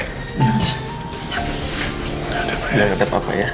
udah ada pak ya